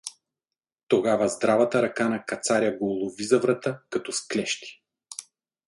Тогава здравата ръка на кацаря го улови за врата като с клещи.